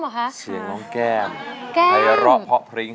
เป็นแบบที่มันเป็นความเป็นที่เราฟัง